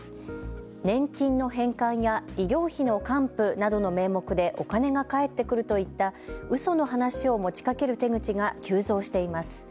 年金の返還や医療費の還付などの名目でお金が返ってくるといったうその話を持ちかける手口が急増しています。